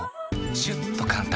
シュッと簡単！